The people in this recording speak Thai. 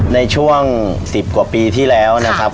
ในช่วง๑๐กว่าปีที่แล้วนะครับ